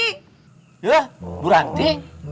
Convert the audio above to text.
hah bu ranti